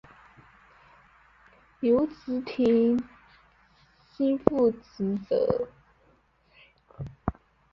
留职停薪复职者